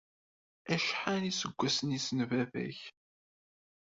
Acḥal iseggasen-is n baba-k?